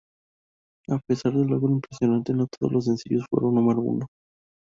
A pesar del logro impresionante, no todos los sencillos fueron número uno.